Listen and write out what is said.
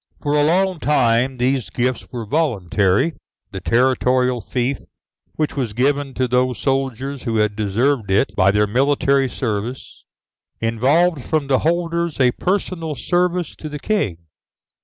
For a long time these gifts were voluntary. The territorial fief, which was given to those soldlers who had deserved it by their military services, involved from the holders a personal service to the King.